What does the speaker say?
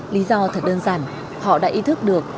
lý do thật đơn giản họ đã ý thức được